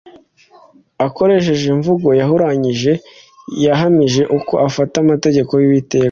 Akoresheje imvugo yahuranyije yahamije uko afata amategeko yUwiteka